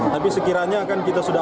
tapi sekiranya kan kita sudah